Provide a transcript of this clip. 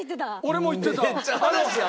俺も行ってた。